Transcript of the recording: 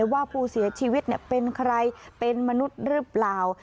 ว่าผู้เสียชีวิตเป็นใครเป็นมนุษย์หรือเปล่า